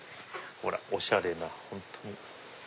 ほらおしゃれな本当に。